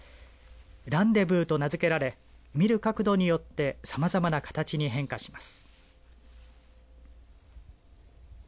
ランデヴーと名付けられ見る角度によってさまざまな形に変化します。